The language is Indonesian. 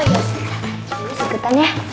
liris ikutan ya